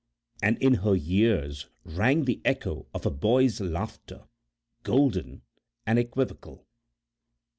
And in her ears rang the echo of a boy's laughter, golden and equivocal.